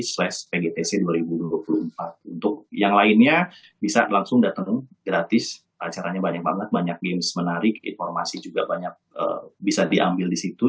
slash ytc dua ribu dua puluh empat untuk yang lainnya bisa langsung datangin gratis acaranya banyak banget banyak games menarik informasi juga banyak bisa diambil di situ